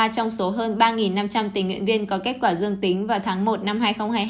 ba trong số hơn ba năm trăm linh tình nguyện viên có kết quả dương tính vào tháng một năm hai nghìn hai mươi hai